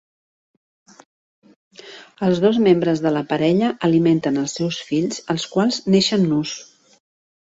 Els dos membres de la parella alimenten els seus fills, els quals neixen nus.